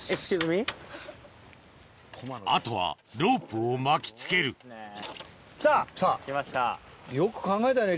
あとはロープを巻きつける来た！来ました。